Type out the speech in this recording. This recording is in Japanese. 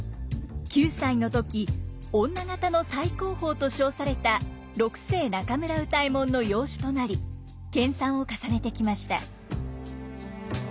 ９歳の時女方の最高峰と称された六世中村歌右衛門の養子となり研鑽を重ねてきました。